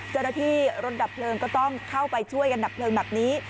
เจ้าหน้าที่รถดับเพลิงก็ต้องเข้าไปช่วยกันดับเพลิงแบบนี้